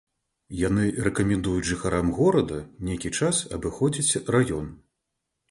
Яны рэкамендуюць жыхарам горада нейкі час абыходзіць раён.